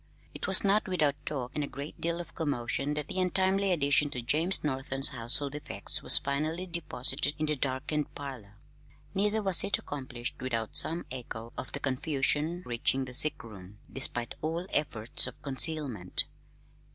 It was not without talk and a great deal of commotion that the untimely addition to James Norton's household effects was finally deposited in the darkened parlor; neither was it accomplished without some echo of the confusion reaching the sick room, despite all efforts of concealment.